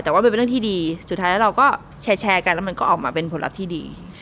แต่ว่ามันเป็นเรื่องที่ดีสุดท้ายแล้วเราก็แชร์กันแล้วมันก็ออกมาเป็นผลลัพธ์ที่ดี